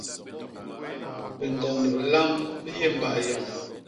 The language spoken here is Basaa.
Biñgond bilam bi yé mbay yoñ.